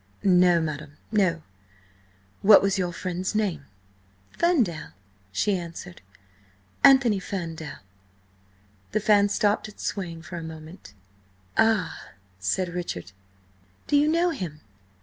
"No, madam, no! What was your friend's name?" "Ferndale," she answered. "Anthony Ferndale." The fan stopped its swaying for a moment. "Ah!" said Richard. "Do you know him?"